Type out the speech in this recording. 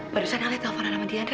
barusan ali telponan sama dianudu